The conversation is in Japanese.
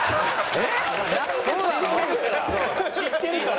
知ってるから。